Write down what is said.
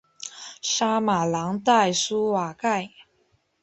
沙马朗代舒瓦盖。